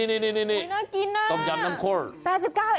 นี่ต้มยำน้ำข้น